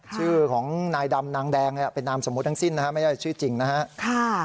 ชื่อของนายดำนางแดงเป็นนามสมมุติทั้งสิ้นนะฮะไม่ใช่ชื่อจริงนะครับ